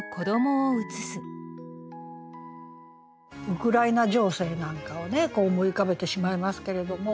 ウクライナ情勢なんかをね思い浮かべてしまいますけれども。